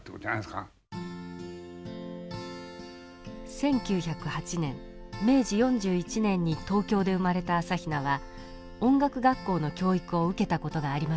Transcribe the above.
１９０８年明治４１年に東京で生まれた朝比奈は音楽学校の教育を受けたことがありません。